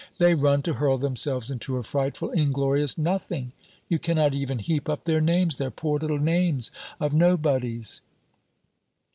They run to hurl themselves into a frightful inglorious nothing. You cannot even heap up their names, their poor little names of nobodies."